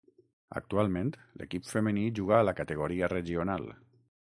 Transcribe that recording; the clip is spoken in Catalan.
Actualment, l'equip femení juga a la categoria regional.